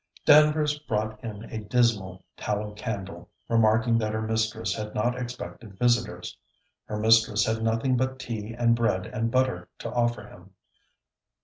Danvers brought in a dismal tallow candle, remarking that her mistress had not expected visitors: her mistress had nothing but tea and bread and butter to offer him.